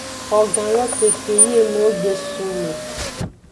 Xogan lo keke yi enuwo gbe sun me.